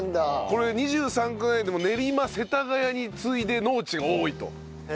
これ２３区内でも練馬世田谷に次いで農地が多いという事らしいです。